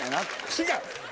違う！